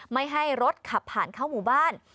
ไม่ให้รถขับผ่านเข้าหมู่บ้าน